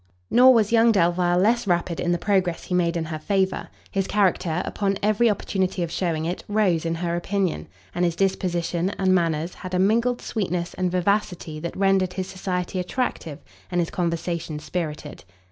Nor was young Delvile less rapid in the progress he made in her favour; his character, upon every opportunity of shewing it, rose in her opinion, and his disposition and manners had a mingled sweetness and vivacity that rendered his society attractive, and his conversation spirited.